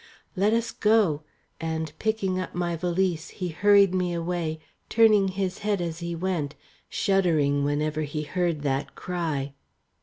"Let us go," and picking up my valise he hurried me away, turning his head as he went, shuddering whenever he heard that cry.